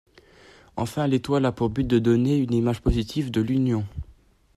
Enfin l'étoile a pour but de donner une image positive de l'Union.